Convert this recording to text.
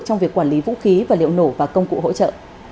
trong việc quản lý vũ khí và liệu nổ và công cụ hỗ trợ